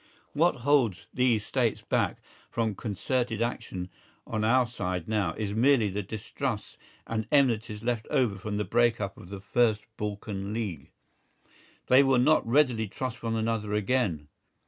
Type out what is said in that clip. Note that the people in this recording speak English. What holds these States back from concerted action on our side now, is merely the distrusts and enmities left over from the break up of the first Balkan League. They will not readily trust one another again.